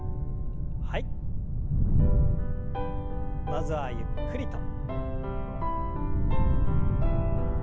まずはゆっくりと。